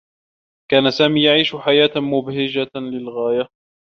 كان سامي يعيش حياة مبهجة للغاية.